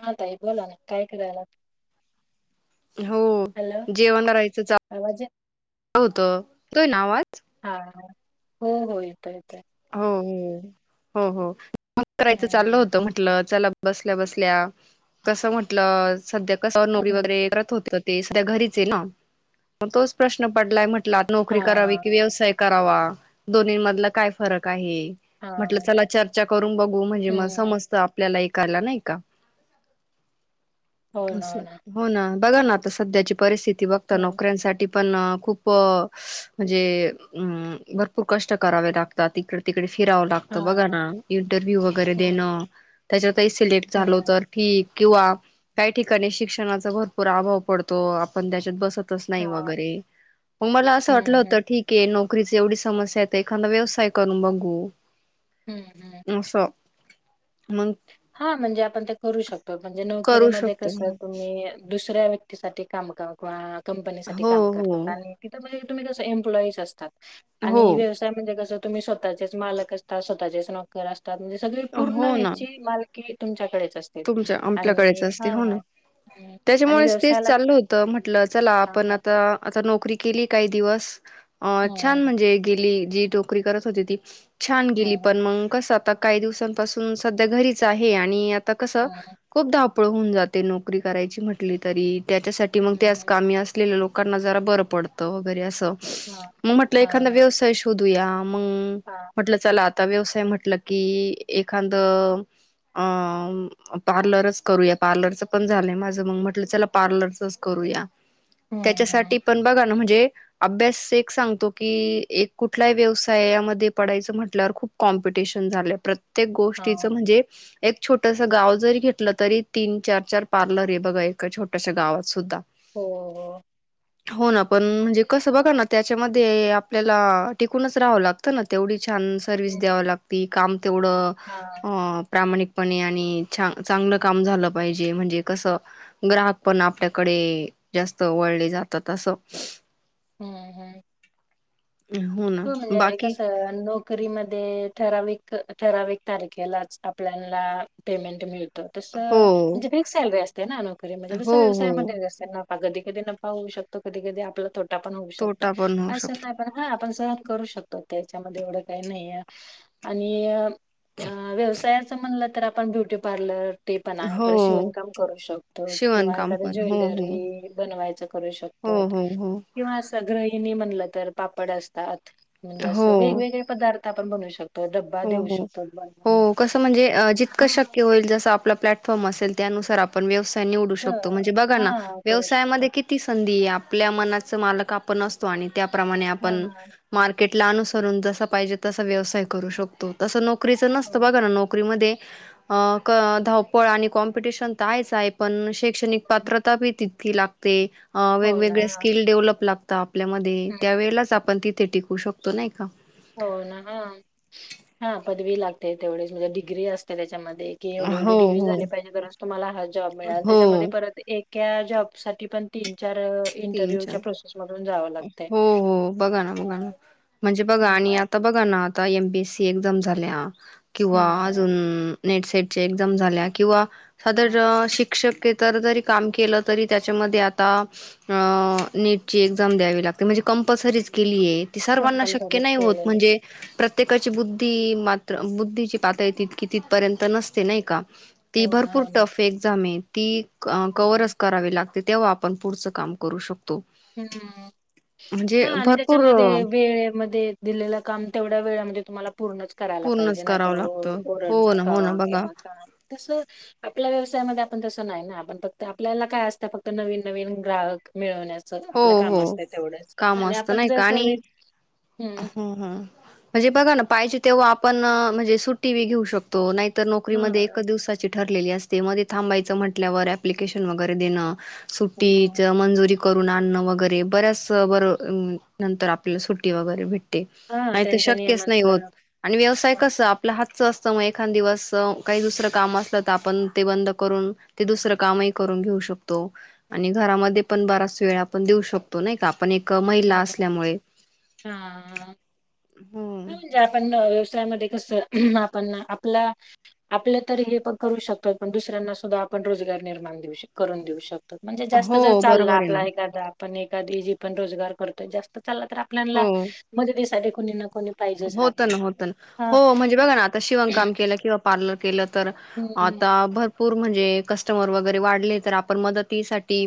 हा ताई बोला ना काय करायलाय हो हॅलो आवाज येत होत येतोय ना आवाज हा हा हो हो येतोय येतोय हो हो हो हो मग करायचं हं, चाललं होतं म्हटलं चला बसल्या बसल्या कस म्हटलं सध्या कस नोकरी हं. वगैरेत करत होत ते सध्या घरीच ना मग तोच प्रश्न पडलाय म्हटलं हां, नोकरी करावी हां, की व्यवसाय करावा दोन्हीं मधल काय कराव फरक आहे म्हटलं हां. चला चर्चा करून बघू म्हणजे म हं. समस्त आपल्या ही कला नाही का असं हो ना बघा ना आता सध्याची परिस्थिती विभक्त हां, नोकऱ्यांसाठी पण खूप म्हणजे भरपूर कष्ट करावे लागतील आता तिकडे तिकडेच असतात फिरावं लागत हां. बघाना इंटरव्ह्यू वगैरे हं, देणं त्याच्यात सिलेक्ट झालो हं. तर ठीक किंवा काही ठिकाणी शिक्षणाचा भरपूर अभाव पडतो आपण त्याच्यात बसत नाही बसत नाही हां. वगैरे मग मला असं वाटलं हं, होत हं. ठीके नोकरी नोरीची एवढी समस्या आहेत एखादा व्यवसाय करून बघू हम हम असं मग हा म्हणजे आपण ते करू शकतो म्हणजे नोकरी करू मध्ये शकते कसं तुम्ही? दुसऱ्या व्यक्तीसाठी काम किंवा कंपनी साठी हो काम हो करतात आणि तिथं मंजे. तुम्ही जसं एम्प्लॉईस असतात. हो आणि व्यवसाय म्हणजे कस. तुम्ही स्वतःचेच मालक असता स्वतःचेच नोकर असता. म्हजे सगळी पूर्ण हो ना ह्याची मालकीण की तुमच्याकडे असते. तुमच्या आपल्याकडेच आणि असते हो ना हां, हं. आणि त्याच्यामुळे तेच व्यवसायाला चाललं होत म्हटलं चला हां, आपण हां. आता आता नोकरी केली काही दिवस अ हं, छान म्हणजे केली. जी नोकरी करत होती ती. छान हं, गेली पण मंग कस आता काही दिवसांपासून सध्या घरीच आहे आणि हं, कसं खूप ा. पळ होऊन जाते नोकरी करायची म्हटली तरी त्याच्यासाठी मग ते हं, आज हं. कामी असलेले लोक. लकना नजरा बर पडतो वगैरे असं. हां. मग म्हटलं हां, एखादा हां. व्यवसाय शोध. तूया मग हां. म्हटलं चला. आता व्यवसाय म्हटलं की एखादं अ पार्लरच करूया पार्लरच पण झालंय माझं मग म्हटलं चला पार्लरचच करूया. हं, हं. त्याच्यासाठी पण बघाणं म्हणे अभ्यास एक सांगतो की एक कुठल्या व्यवसायामध्ये पडायचं म्हटल्यावर खूप कॉमपिटिशन झालं. प्रत्येक गोष्टीचं हां. म्हणजे एक छोट. छोटस गाव जरी घेतलं तरी तीन चार चार पार्लर आहे बघा ए छोटश्या गावात सुद्धा हो. हो ना पण कसं बघा हां. ना त्याच्यामध्ये ते आपल्याला टिकूनच राहावं लागतं ना तेवढी छ सर्स हं. द्या लाग काम तेवढ हां. प्रा पण आणि चांगलं काम झालं पाहिजे म्हणजे कस ग्राहक पण आपल्याकडे जास्त वळले जातात अस. हम्म हम्म. ना, हो म्हणजे बाकी कसं नोकरीमध्ये ठराविक ठरावीिक तारखेलाच आपल्याला पेमेंट मिळत तस हो, म्हणजे फिक्स सॅलरी असते ना नोकरीमध्ये जस हो, हो. व्यवसायामध्ये कधी कधी न पा होऊ शकतो कधी कधी आपला थो ण होऊ शकतो तोटा पण होऊ अस शकतो. नाही पण ह करू शकतो त्याच्यामध्ये एवढं काही नाही आणि व्यवसायाच म्हणलं तर आपण ब्युटी पार्लर ते पण आहे प हो, शिवणकाम करू शकतो किंवा शिवणकाम एखाद्या पण. हो, हो. ज्वेलरी बनवायच करू हो, शकतो हो, हो. किंवा सग ह म्हणलं तर पापड असत तर म्हणजे हो, असं वेगवेगळे पदार्थ आपण बनू शतो हो हो हो कस म्हणजे हा जितकं शक्य होईल जस आपला्लटफॉर्म असेल त्यानुस आपण्यवस् व का शतोणे बा हा करू शकतात व्यवसाया किध आपल्या मनाच मालक आपण असतो आणि त्या प्रमाणे हा आपण हा कटला अुसरून जसा पाहिजे तसा व्यवसाय करू शकतो तस नको कस नसत हा. बघा ना नोकरीमध्ये धावपळ आणि स्पर्धा आहेच आहे शैक्षणिक पात्रता पण लागते अ हो ना वेगवेगळ्या हा स्किल डेव्हलप लागतात ताप आपल्यामध्ये हम्म त्यावेेळेच आपण त ते टिकू शकतो नाही का? हो ना हा हा पदवी लागते तेवढीच म्हणजे डिग्री असते त्याच्यामध्ये की एवढी- एवढी हो, डिग्री हो, झाली पाहिजे तरच तुम्हाला हा जॉब मिळाल त्याच्यामध्ये हो. परत एक जॉब साठी पण तीन चार तीन चार इंटरव्ह्यूच्या प्रोसेस मधून जावं लागतंय. हो हो बघा ना बघा ना म्हणजे बघा नी हम्म आता बघा आता एम बीएससी एक्झाम्स झाल्या हा किंवा हम्म अजून नेट सेटच्या एक्झाम झाल्या किंवा सदर शिक शिक्षकेतर जरी काम केलं तरी त्याच्यामध्ये आता अ नेटची एक्झाम द्यावी लागते म्हणजे कंपल्सरीच केली आहे सर्वांना शक्य कंपल्सरीच नाही होत केलेलं म्हणजे प्रत्ये प्रत्येकाची बुद्धी मात्र बुद्धीची पातळी तितकी तिथपर्यंत नसते नाही का? ती हो ना भरपूर हो ना टफ एक्झाम आहे ती हम्म कवरच करावी लागते तेव्हा आपण पुढचं काम करू शकतो हम्म हा म्हणजे आणि भरपूर त्याच्यामध्ये वेळेमध्ये, दिलेलं काम तेवढा वेळ म्हणजे तुम्हाला पूर्णच करायला पाहिजे पूर्णच नाही तर करावं लागतं ओरडण हो ना हो ना कवा बघा किंवा का तस आप व्यवसायामध्ये आपण तसं नाही ना आपण फक्त आपल्याला काय असत फक्त नवीन-नवीन ग्राहक मिळवण्या हो-हो कामस्त आपण नाही जर का आणि सर्विस हम्म म्हणजे बघा ना पाहिजे तेव्हा आपण म्हणजे सुट्टी वि घेऊ शकतो नाही तर नोकरीमध्ये एक हा. दिवसाची ठरलेली असते मध्ये थांबायचं म्हटल्यावर ॲप्लिकेशन वगैरे देणं. सुट्टीच हम्म. मंजुरी क करून आणन वगैरे बऱ्याच बरं नंतर आपल्या सुट्टी वगैरे भेट हा नाही त्यांच्या शक्यच नाही होत नियमांचं आणि व्यवसाय कस आपल हात अस असतं मग एखांद दिवस काही दुसरं काम असलं तर आपण ते बंद करून ते दुसरं कामही करून घेऊ शकतो. तो आणि घरामध्ये आपण बारा स वेळ आपण देऊ शकतो नाही का आपण एक महिला हा. असल्यामुळे ह हम्म. म्हणजे आपण व्यवसायामध्ये कस आपण आपलं आपलं तरी हे पण करू शकतो पण दुसऱ्यांना सुद्धा आपण रोजगार निर्माण देऊ करून देऊ शकतो. म्हणजे जास्त हो जर चालला बरोबर आहे ना. आपला एखादा पण एखादी जी पण रोजगार करतोय जास्त चालला तर आपल्याला मदतीसाठी कोणी ना कोणी पाहिजेच होत राहतय ना होत ना हा हो म्हणजे बघा ना आता शिवण काम केलं किंवा पार्लर केलं. तर हम्म आता भर पूर म्हणजे कस्टमर वगैरे वाढले तर आपण मदतीसाठी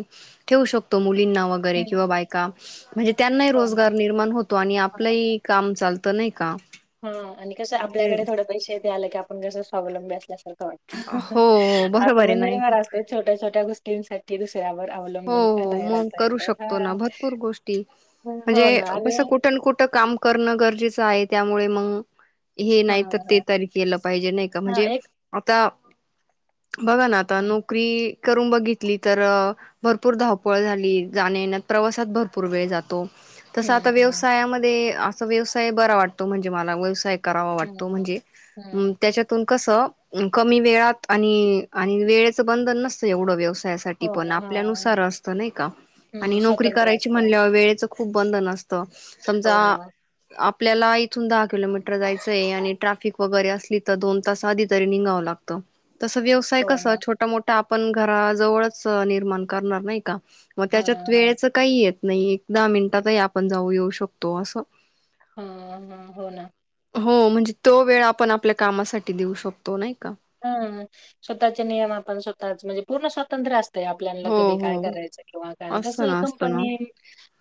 ठेवू शकतो मू मुलींना वगैरे किंवा हम्म बायका म्हणजे त्यांनाही हो ना. रोजगार निर्माण होतो आणि आपलंही काम चाल तर नाही का हा आणि कसं आपल्याकड थोड पैसे आलं की आपण जसं स्वावलंबी असल्या सारखं हो. हो बरोबर आहे नाही का? आत्मनिर्भर असतो छोट्या छोट्या गोष्टी मुलींसाठी दू हो हो मग करू शकतो ना हा भरपूर गोष्टी म्हणजे हो ना आणि कसं कुठं ना कुठं काम करणं गरजेचं आहे त्यामुळे मग हे हा नाही तर ते हा तरी केलं पाहिजे नाही का हा म्हणजे एक आता बघा ना आता नोकरी करून बघितली तर भरपूर धावपळ झाली. जाण्या-येण्यात प्रवासात भरपूर वेळ जातो. तस हम्म आता हम्म. व्यवसायामध्ये व्यवसाय बरा वाटतो म्हणजे मला व्यवसाय करावा वाटतो हम्म, म्हणजे हम्म. त्याच्यातून कस कमी वेळात आणि आणि वेळेच बंधन नसतय एवढं व्यव साठी हो पण ना. आप हां. आपल्यानुसार असतं नई का? हं, आणि नोकरी स्वातंत्र्य करायची असते. म्हणल्यावर वेळचं बंधन समजा हो ना, आप आपल्याला इथून दहा किलोमीटर जायचंय, आणि ट्रॅफिक वगैरे असली तर दोन तास आधी तर निंघाव लागत. तस व्यवसाय हो कसा ना. छोटा मोठा आप पण घरा जवळच, निर्माण करणार नाही का? म हां, त्याच्यात, हां. वेळेचं काही येत नई, एक दहा मिनिटातही आपण जाऊ येऊ शकतो असं. ह ह, हो ना. हो, म्हणजे तो वेळ आपण आपल्या कामासाठी देऊ शकतो, नाही का ह स्वतःचे नियम आपण स्वताच म्हणजे पूर्ण स्वा स्वातंत्र्य अस असतय. आपल्याला हो कदी काय हो करायचं किंवा काय. कस असतं ना असतं ना कंपनी,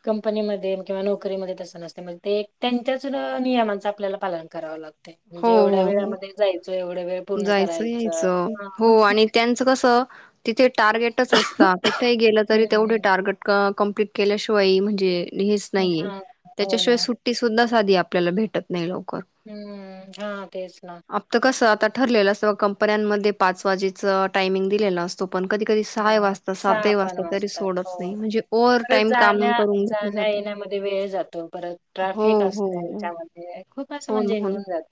कंपनी मध्ये किंवा नोकरी मध्ये तस तेनास्नी म ते त्यांच्याच नियमांच आपल्याला पालन करावं लाग गते. हो म्हणजे एवढ्या वेळामध्ये जायचं, एवढ वेळ पूर्ण कस यायच. करायचं. हो हां. आणि त्याचं कसं हं, हं. [unintelligible] [unintelligible] कम्प्लीट केल्याशिवायी म्हणजे? हेच नाहीये, हां. हो त्याच्याशिवाय ना. सुट्टी सुद्धा - साधी, आपल्याला भेटत नाही लोक. हूॅम... हा, तेच ना. [unintelligible] असं आता ठरलेलं असतं. कंपन्यांमध्ये पाच वाजेच टायमिंग दिलेला असतो. पण कधी कधी सहाही हम्म, वाजता सहा सातही पण वाजता तरी वाजतात. सोडत हो नाही म्हणजे ओव्हर परत टाईम काम जाण्या, करून घेतलं जाण्या- जातं. येण्यामध्ये वेळ जातो. परत हो ट्राफिक हो असतो याच्यामध्ये खूपच, असं हो ना म्हणजे हे हो ना. हून जात.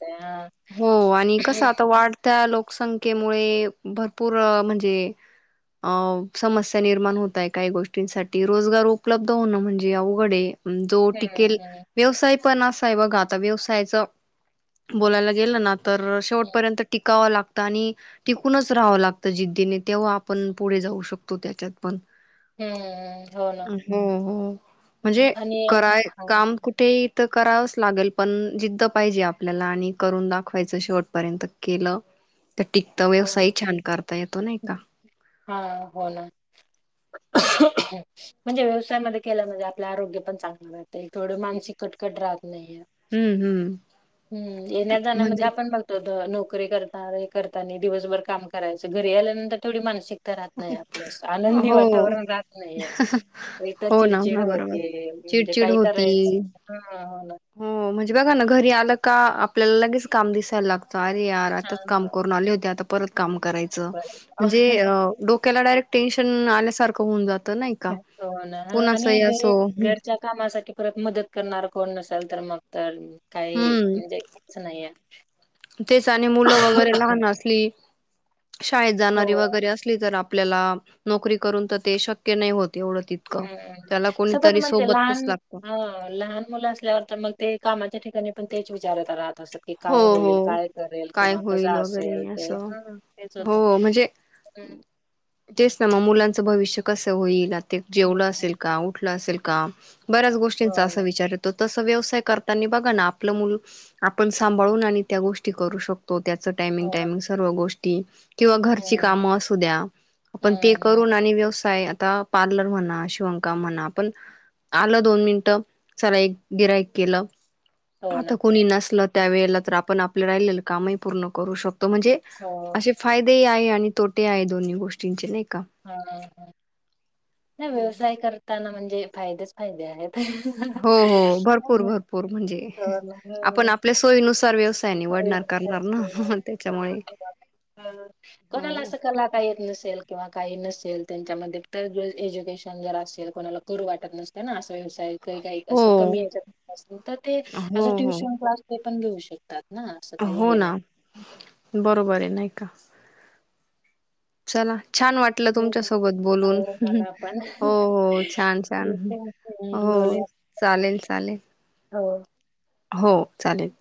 हो, आणि कस, आता वाढत्या लोकसंख्ये - मुळे भरपूर, म्हणजे... अ समस्या निर्माण होताय, काही गोष्टींसाठी रोजगार उपलब्ध होणं म्हणजे अवघड हे. जो टिकेल, हम्म व्यवसाय- पण असा आहे बघा आता व्यवसायाचं. बोलायला गेईल ना. तर हम्म शेवटपर्यंत टिकावं लागत. आणि टिकूनच राहावं लागतं जिद्दीने तेव्हा आपण पुढे जाऊ शकतो त्याच्यात पण. हम्म ना हो हो हम्म, म्हणजे आणि कराय हा हो काम कुठेही. तर करावंच लागेल पण जिद्द पाहिजे आपली. आपल्याला आणि करून दाखवायचं शेवटपर्यंत केलं. तर टिकता व्यवसाय छान करता येतो नाही का. हा हो ना म्हणजे व्यवसायामध्ये केल्यामध्ये आपले आरोग्य पण चांगलं राह थोड मानसिक कटकट राहत. नाहीये हम्म हम्म. हम्म येण्या जाण्यामध्ये म्हणजे आपण बघतो. नोकरी कर करता दिवसभर काम करायचं, घरी आल्यानंतर थोडी मानसिक. तर राहत नाही आपल्यास आनंदी हो वातावरण राहत नाही, एक तर हो ना हो चिडचिड ना बरोबर होते, म्हणजे चिडचिड काय होती करायचं ह हो ना. हो म्हणजे बघा ना घरी आलं का आपल्याला लगेच काम दिसायला लागतं. सारे यार हा आताच काम हा करून आले होते आता. परत काम. करायच बर म्हणजे. तोकला डायरेक् टेनशनल्यासारं होऊनात. [unintelligible] तो हो ना आणि घरी हं, घरच्या कामासाठी. परत मदत करणार कोण नसेल तर मग तर. काही हम्म म्हणजेच नाहीये. [unintelligible] तेच आणि मुलं वगैरे लहान असली. शाळेत जाणारी हो वगैरे असली तर आप आपल्याला नोकरी करून तर ते शक्य नाही होत. एवढं तितकं हम्मम् त्याला सतत कोणीतरी म्हणजे, सोबतच लहान लागत ह लहान मुलं असल्यावर तर मग ते कामाच्या ठिकाणी. पण तेच विचारतात. तस कि हो काय हो होईल, काय करेल काय किंवा होईल कसं वगैरे असेल ते असं ह तेच हो होते. म्हणजे ं भविष्य कसं होईल. ते जेवलं असेल हं. का उठलं असेल. मु काम. बऱ्याच हो गोष्टींचा असं ना. विचार येतो तस. व्यवसाय करताना बघा ना आपलं म्हणून मूल आ. पण सांभाळून आणि त्या गोष्टी. ती करू शकतो तो त्याचं टायमिंग हो ना. टायमिंग सर्व गोष्टी ती किंवा घरची हं, कामं असू द्या आपण ते हं, हं. करून आणि व्यवसाय य आता पार्लर म्हणा शिवणकाम म्हणा पण आलं दोन मिनिटं चला एक गिऱ्हाईक केलं. हो आता ना. कोणी नसलं त्यावेळेला तर आपण आपलं राहिले कामही पूर्ण करू शकतो म्हणजे हो. असे फायदे हि आहे. आणि तोटे आहे दोन्ही गोष्टींचे नाही का ह नाही हो हो व्यवसाय करताना म्हणजे फायदाच फायदे आहेत. हो हो भरपूर भरपूर म्हणजे हो ना. हो. आपण आपल्या सोयीनुसार व्यवसाय निवडणार करणार ना त्याच्यामुळे कोणाला हो असं कला का येत नसेल किंवा काही नसेल त्यांच्यामध्ये एज्युकेशन जर असेल कोणाला करू वाटतं नसतं ना? व्यवसाय किंवा काही हो असं कमी याच्यात असेल तर ते हो हो ट्युशन क्लास ते पण घेऊ शकतात? ना असं काही हो हे ना नाही. बरोबर आहे नाही. का चला. छान वाटलं तुमच्या सोबत बोलून हो मला पण हो ठीक हो छान छान आहे. हम्म, हो बोलूया चालेल चालेल. हो. हो चालेल.